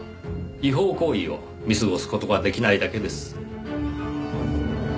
違法行為を見過ごす事が出来ないだけです。